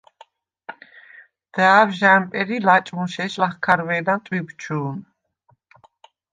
და̄̈ვ ჟ’ა̈მპერ ი ლაჭმუშ ეშ ლახქარვე̄ნა ტვიბჩუ̄ნ.